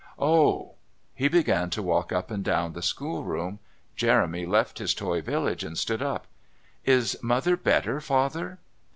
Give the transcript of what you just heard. "Oh!" He began to walk up and down the schoolroom. Jeremy left his toy village and stood up. "Is Mother better, Father?"